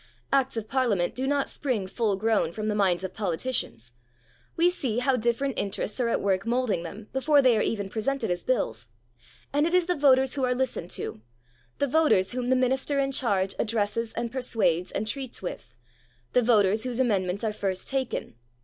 Acts of Parliament do not spring full grown from the minds of politicians; we see how different interests are at work moulding them, before they are even presented as Bills, and it is the voters who are listened to, the voters whom the Minister in charge addresses and persuades and treats with, the voters whose amendments are first taken.